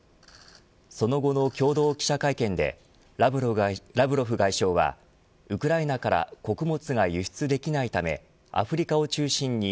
その後の共同記者会見でラブロフ外相はウクライナから穀物が輸出できないためアフリカを中心に